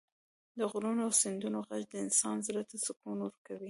د غرونو او سیندونو غږ د انسان زړه ته سکون ورکوي.